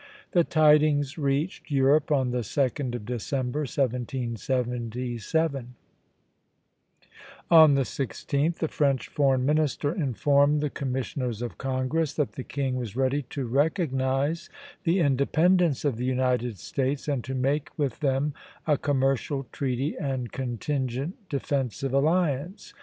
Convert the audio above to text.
The tidings reached Europe on the 2d of December, 1777; on the 16th the French foreign minister informed the commissioners of Congress that the king was ready to recognize the independence of the United States, and to make with them a commercial treaty and contingent defensive alliance.